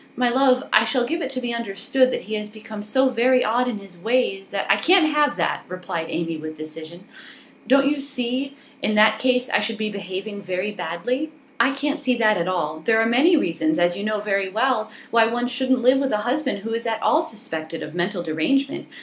My love, I shall give it to be understood that he has become so very odd in his ways that ' 'I can't have that,' replied Amy with decision. 'Don't you see that in that case I should be behaving very badly?' 'I can't see that at all. There are many reasons, as you know very well, why one shouldn't live with a husband who is at all suspected of mental derangement.